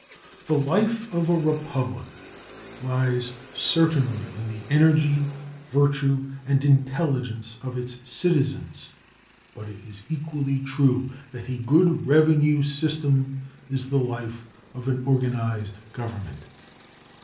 The life of a republic lies certainly in the energy, virtue, and intelligence of its citizens; but it is equally true that a good revenue system is the life of an organized government.